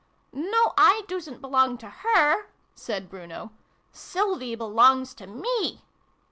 "No, I doosn't belong to her!" said Bruno. "Sylvie belongs to me!"